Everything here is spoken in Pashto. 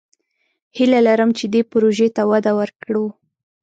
هیله لرم چې دې پروژې ته وده ورکړو.